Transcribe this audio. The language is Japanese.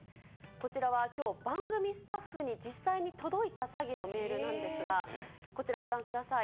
こちらはきょう、番組スタッフに実際に届いた詐欺のメールなんですが、こちらご覧ください。